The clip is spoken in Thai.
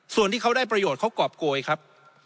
ส่วนที่เขาได้ประโยชน์เขากรอบโกยครับ